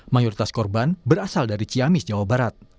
mayoritas korban berasal dari ciamis jawa barat